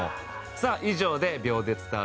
さあ以上で『秒で伝わる！